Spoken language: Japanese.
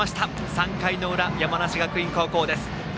３回の裏山梨学院高校です。